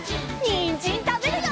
にんじんたべるよ！